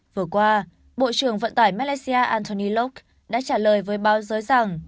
vừa qua bộ trưởng vận tải malaysia anthony locke đã trả lời với báo giới rằng